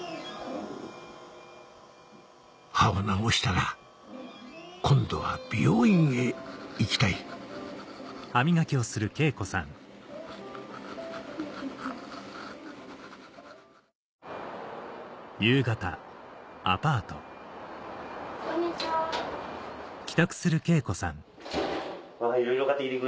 歯を治したら今度は美容院へ行きたい・こんにちは・お！